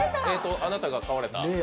あなたが買われた？